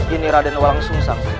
ini raden walang sungsang